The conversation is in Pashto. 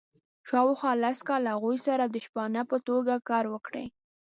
شاوخوا لس کاله هغوی سره د شپانه په توګه کار وکړي.